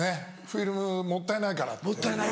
フィルムもったいないからって。